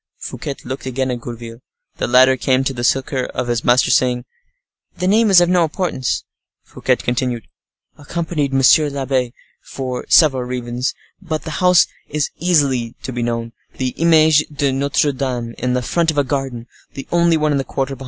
Fouquet looked again at Gourville. The latter came to the succor of his master, saying, ["The name is of no importance." Fouquet continued, "Accompany] monsieur l'abbe, for several reasons, but the house is easily to be known—the 'Image de Notre Dame' in the front, a garden, the only one in the quarter, behind."